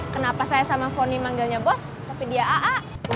kenapa saya sama forni manggilnya bos tapi dia a a